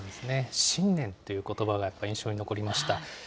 信念ということばがやっぱり印象に残りました。